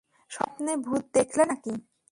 স্বপ্নে ভূত দেখলে নাকি?